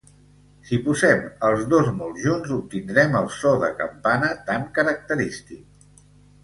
Si posem els dos molt junts obtindrem el so de campana tan característic.